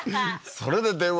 それで電話？